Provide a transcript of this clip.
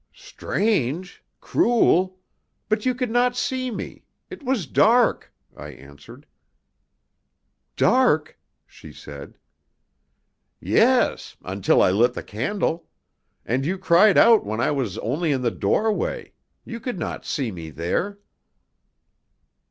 "Strange! Cruel! But you could not see me. It was dark," I answered. "Dark!" she said. "Yes, until I lit the candle. And you cried out when I was only in the doorway. You could not see me there."